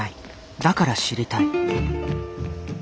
だから知りたい。